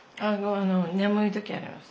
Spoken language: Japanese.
眠い時あります。